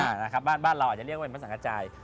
นะครับบ้านบ้านเราอาจจะเรียกว่าเป็นพระสังกระจาย